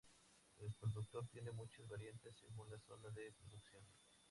El producto tiene muchas variantes según la zona de producción.